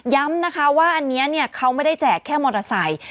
นะคะว่าอันนี้เขาไม่ได้แจกแค่มอเตอร์ไซค์